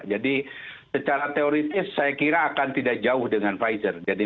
jadi secara teoritis saya kira akan tidak jauh dengan pfizer